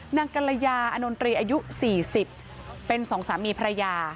หนังกลยาอนดรีอายุสี่สิบเป็นสองสามีพระยา